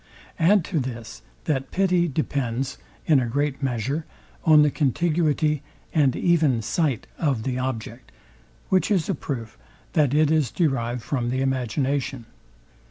Add to this, that pity depends, in a great measure, on the contiguity, and even sight of the object; which is a proof, that it is derived from the imagination.